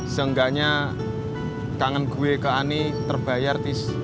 seenggaknya kangen gue ke ani terbayar